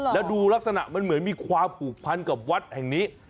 แล้วดูลักษณะมันเหมือนมีความผูกพันกับวัดแห่งนี้